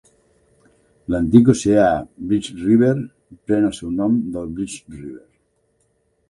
L'antic oceà Bridge River, pren el seu nom del Bridge River.